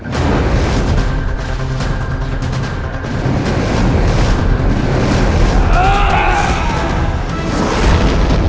kau harus mati di tanganku